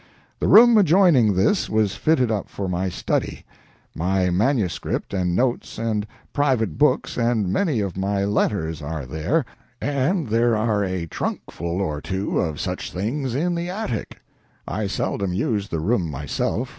The room adjoining this was fitted up for my study. My manuscript and notes and private books and many of my letters are there, and there are a trunkful or two of such things in the attic. I seldom use the room myself.